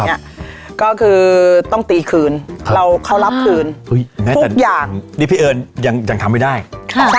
เนี้ยก็คือต้องตีคืนครับเราเขารับคืนเฮ้ยแต่ทุกอย่างนี่พี่เอิญยังยังทำไม่ได้ค่ะ